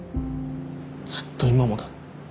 ずっと今もだ